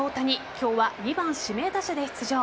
今日は２番・指名打者で出場。